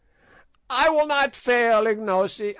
"I will not fail, Ignosi.